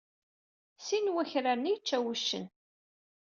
Sin wakraren i yečča wuccen.